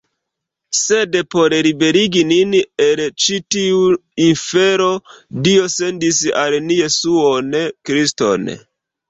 Sed por liberigi nin el ĉi tiu infero, Dio sendis al ni Jesuon Kriston.